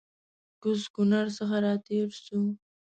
کوز کونړ څخه راتېر سوو